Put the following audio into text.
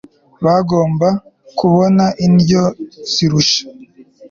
Bagomba kubona indyo zirusha